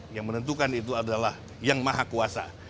yang menentukan itu adalah yang maha kuasa